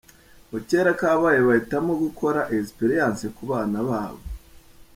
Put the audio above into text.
Kera kabaye bahitamo gukora ‘experience’ ku bana babo.